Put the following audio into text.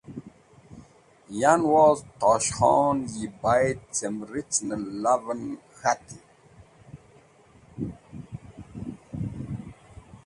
Yan woz Tosh Khon yi bayd cem ricen-e lav en k̃hati.